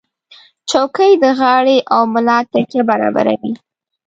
چوکۍ د غاړې او ملا تکیه برابروي.